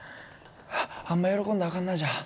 あんま喜んだらあかんなじゃあ。